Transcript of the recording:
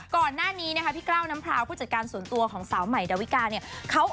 ก่อนหน้านี้พี่เกล้วน้ำพล้าวผู้จัดการส่วนตัวของสาวใหม่ดาวิกา